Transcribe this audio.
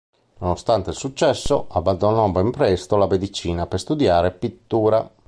Nonostante il successo, abbandonò ben presto la medicina per studiare pittura.